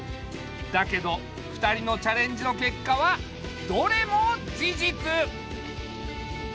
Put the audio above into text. だけど２人のチャレンジのけっかはどれも事実！